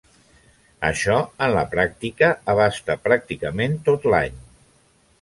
Això, en la pràctica, abasta pràcticament tot l'any.